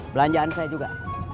belanjaan saya juga